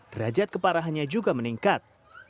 derajat keparahannya juga meningkat